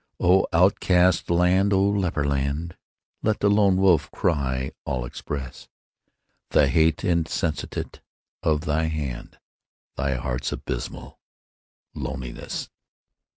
O outcast land! O leper land! Let the lone wolf cry all express The hate insensate of thy hand, Thy heart's abysmal loneliness.